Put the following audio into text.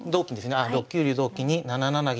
ああ６九竜同金に７七銀。